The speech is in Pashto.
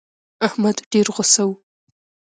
احمد ډېر غوسه و.